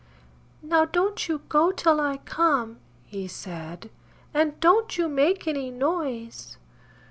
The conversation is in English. "Now, don't you go till I come," he said, "And don't you make any noise!"